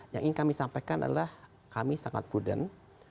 yang ingin kami sampaikan adalah kami sangat prudent